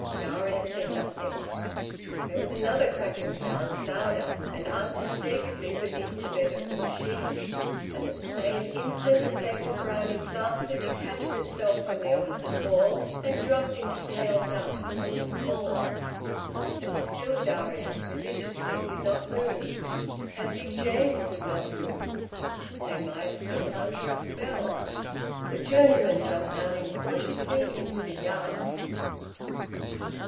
Darius said nothing. There was another cracking sound, louder, and unmistakably beneath the bed of the machine. And at the same instant a flake of grimy plaster detached itself from the opposite wall and dropped into pale dust on the floor. And still Darius religiously did not move, and Big James would not move. They might have been under a spell. The journeyman jumped down incautiously into the yard.